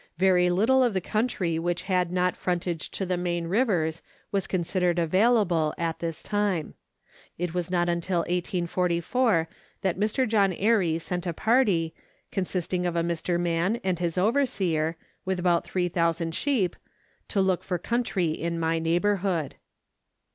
Very little of the country which had not frontage to the main rivers was considered available at this time. It was not till 1844 that Mr. John Airey sent a party, consisting of a Mr. Mann and his overseer, with about 3,000 sheep, to look for country in my neighbourhood.